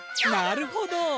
なるほど！